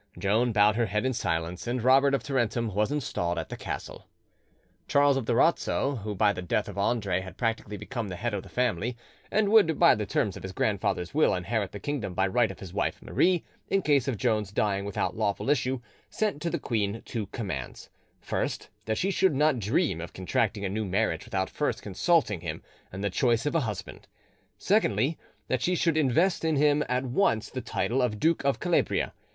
Joan bowed her head in silence, and Robert of Tarentum was installed at the castle. Charles of Durazzo, who by the death of Andre had practically become the head of the family, and, would, by the terms of his grandfather's will, inherit the kingdom by right of his wife Marie in the case of Joan's dying without lawful issue, sent to the queen two commands: first, that she should not dream of contracting a new marriage without first consulting him in the choice of a husband; secondly, that she should invest him at once with the title of Duke of Calabria.